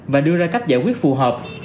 và đưa ra cách giải quyết phù hợp